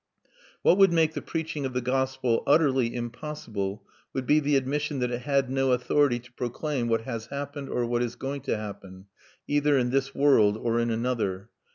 What would make the preaching of the gospel utterly impossible would be the admission that it had no authority to proclaim what has happened or what is going to happen, either in this world or in another.